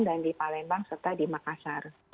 dan di palembang serta di makassar